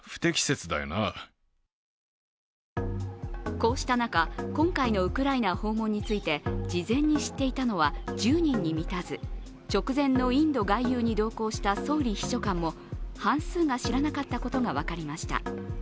こうした中、今回のウクライナ訪問について、事前に知っていたのは１０人に満たず直前のインド外遊に同行した総理秘書官も半数が知らなかったことが分かりました。